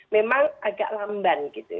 memang agak lamban gitu